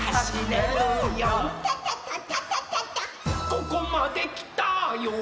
「ここまできたよ」